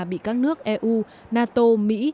bị các nước eu nato mỹ